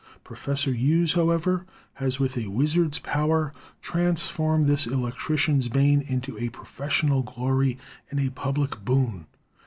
Professor Hughes, however, has, with a wizard's power, trans formed this electrician's bane into a professional glory and a public boon.